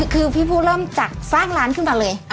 คือพี่พูดเริ่มจากสร้างร้านขึ้นมาเลย